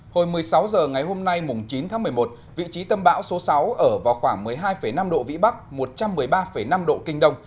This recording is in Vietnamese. hồi một mươi sáu h ngày hôm nay chín tháng một mươi một vị trí tâm bão số sáu ở vào khoảng một mươi hai năm độ vĩ bắc một trăm một mươi ba năm độ kinh đông